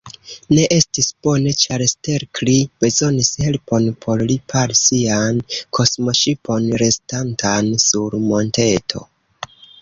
Ne estis bone, ĉar Stelkri bezonis helpon por ripari sian kosmoŝipon restantan sur monteto.